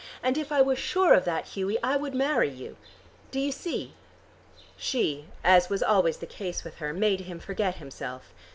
And if I was sure of that, Hughie, I would marry you. Do you see?" She, as was always the case with her, made him forget himself.